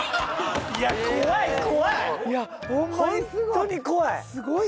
ホントに怖い！